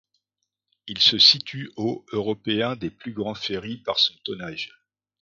Il se situe au européen des plus grands ferrys par son tonnage.